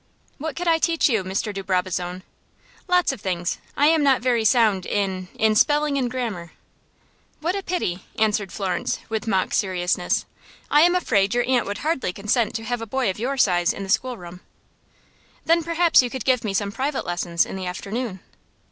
"What could I teach you, Mr. de Brabazon?" "Lots of things. I am not very sound in in spelling and grammar." "What a pity!" answered Florence, with mock seriousness. "I am afraid your aunt would hardly consent to have a boy of your size in the schoolroom." "Then perhaps you could give me some private lessons in the afternoon?"